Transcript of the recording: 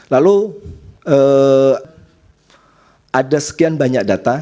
lalu ada sekian banyak data